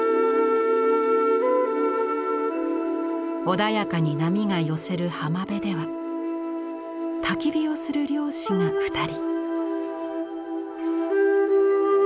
穏やかに波が寄せる浜辺ではたき火をする漁師が２人。